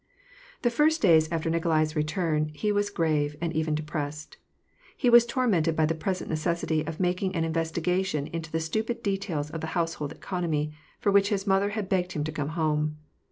Thb first days after Nikolai's return, he was grave, and even depressed. He was tormented by the present necessity of mak ing an investigation into the stupid details of the household economy, for which his mother had begged him to come home.